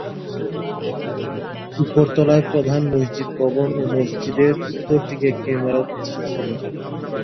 উপরতলায় প্রধান মসজিদ ভবন ও মসজিদের উত্তরদিকে একটি ইমারত ছিল।